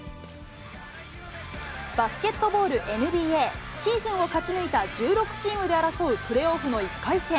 バスケットボールＮＢＡ、シーズンを勝ち抜いた１６チームで争うプレーオフの１回戦。